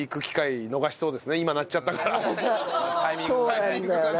そうなんだよな。